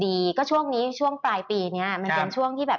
พี่หนิงครับส่วนตอนนี้เนี่ยนักลงทุนแล้วนะครับเพราะว่าระยะสั้นรู้สึกว่าทางสะดวกนะครับ